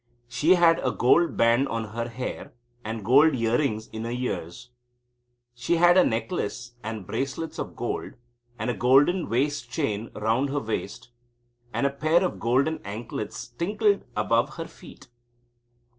She had a gold band on her hair and gold earrings in her ears. She bad a necklace and bracelets of gold, and a golden waist chain round her waist, and a pair of golden anklets tinkled above her feet.